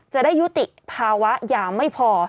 จะได้ยุติภาวะอย่างไม่พอ